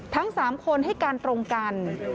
ทั้ง๓คนให้การตรงกัน